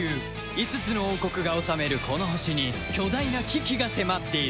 ５つの王国が治めるこの星に巨大な危機が迫っている